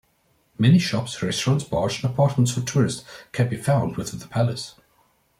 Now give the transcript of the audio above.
Many shops, restaurants, bars and apartments for tourists can be found within the palace.